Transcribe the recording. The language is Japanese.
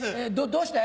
どうして？